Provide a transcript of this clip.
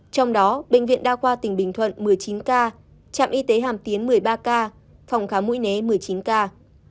trong đó bệnh viện đa khoa tỉnh bình thuận một mươi chín ca trạm y tế hàm tiến một mươi ba ca phòng khám mũi né một mươi chín ca